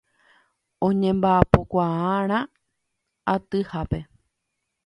Oñembaʼapokuaaʼarã atyhápe.